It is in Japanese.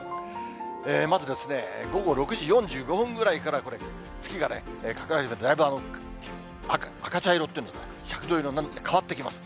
まず、午後６時４５分ぐらいからこれ、月が隠れ始めて、だいぶ赤茶色っていうんですか、赤銅色に変わってきます。